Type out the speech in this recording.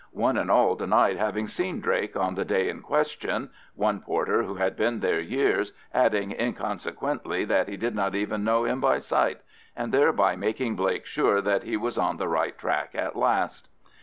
One and all denied having seen Drake on the day in question—one porter, who had been there years, adding inconsequently that he did not even know him by sight, and thereby making Blake sure that he was on the right track at last.